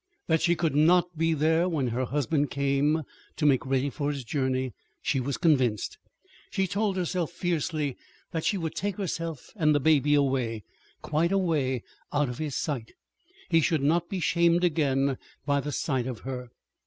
That she could not be there when her husband came to make ready for his journey, she was convinced. She told herself fiercely that she would take herself and the baby away quite away out of his sight. He should not be shamed again by the sight of her.